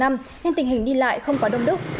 nên tình hình đi lại không quá đông đúc